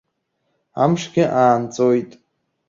Амшгьы аанҵәоит.